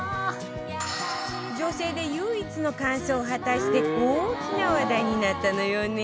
女性で唯一の完走を果たして大きな話題になったのよね